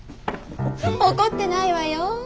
怒ってないわよ。